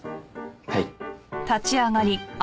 はい。